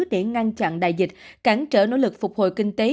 để ngăn chặn đại dịch cản trở nỗ lực phục hồi kinh tế